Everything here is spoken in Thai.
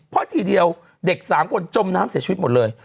เพราะทีเดียวเด็ก๓คนจมน้ำเสียชีวิตหมดเลย